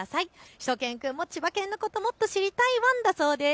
しゅと犬くんも千葉県のこともっと知りたいワンだそうです。